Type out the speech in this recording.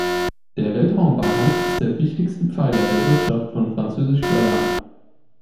Der Weltraumbahnhof ist der wichtigste Pfeiler der Wirtschaft von Französisch-Guayana.